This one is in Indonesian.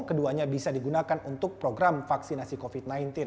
keduanya bisa digunakan untuk program vaksinasi covid sembilan belas